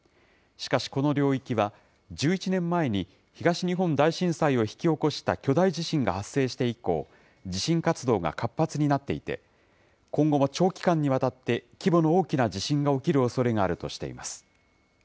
しかしこの領域は、１１年前に東日本大震災を引き起こした巨大地震が発生して以降、地震活動が活発になっていて、今後も長期間にわたって、規模の大きな地震が起きるおそれがあるとしています。